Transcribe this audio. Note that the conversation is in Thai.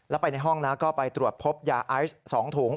แล้วไปในห้องนะก็ไปตรวจพบยาไอซ์๒ถุง